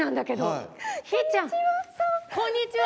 こんにちは。